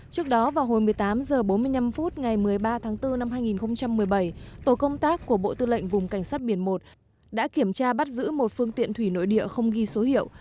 trước đó vào hồi một mươi tám h bốn mươi năm phút ngày một mươi ba tháng bốn năm hai nghìn một mươi bảy tổ công tác của bộ tư lệnh vùng cảnh sát biển một đã kiểm tra bắt giữ một phương tiện thủy nội địa không ghi số hiệu